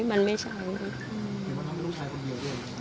คือมันทำเป็นลูกชายคนเดียวด้วย